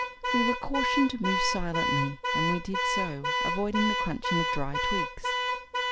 We were cautioned to move silently, and we did so, avoiding the crunching of dry twigs.